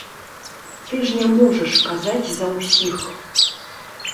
Ты ж не можаш казаць за ўсіх.